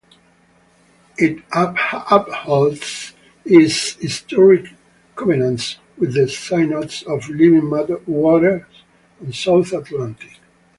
It upholds its historic covenants with the Synods of Living Waters and South Atlantic.